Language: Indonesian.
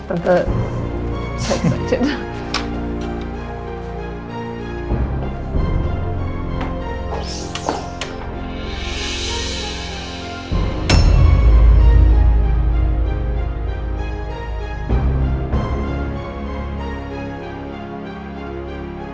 tante saya saja